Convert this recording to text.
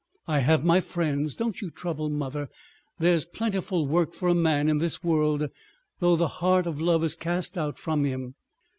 "I have my friends. Don't you trouble, mother. There's plentiful work for a man in this world though the heart of love is cast out from him.